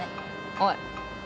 おい。